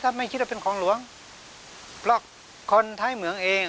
ถ้าไม่คิดว่าเป็นของหลวงเพราะคนท้ายเหมืองเอง